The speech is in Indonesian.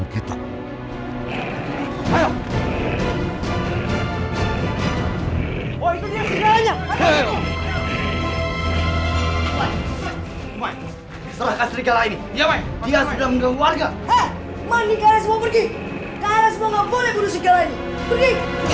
kau gak boleh bunuh sergala ini pergi